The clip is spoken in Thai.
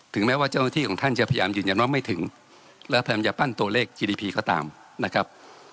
แม้ว่าเจ้าหน้าที่ของท่านจะพยายามยืนยันว่าไม่ถึงและพยายามจะปั้นตัวเลขจีดีพีก็ตามนะครับ